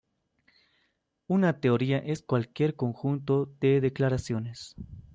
Una teoría es cualquier conjunto de declaraciones.